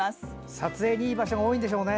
撮影にいい場所が多いんでしょうね。